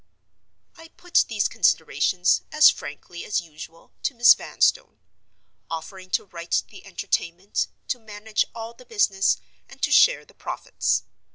I put these considerations, as frankly as usual, to Miss Vanstone; offering to write the Entertainment, to manage all the business, and to share the profits.